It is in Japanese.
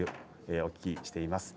お聞きしています。